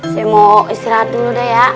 saya mau istirahat dulu deh ya